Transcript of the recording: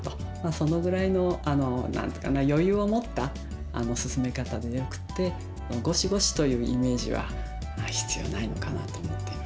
そのぐらいの余裕を持った進め方でよくってゴシゴシというイメージは必要ないのかなと思っています。